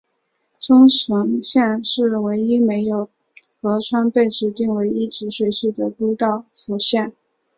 冲绳县是唯一没有河川被指定为一级水系的都道府县。